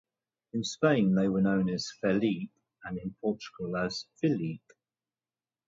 In Spain they were known as "Felipe", and in Portugal as "Filipe".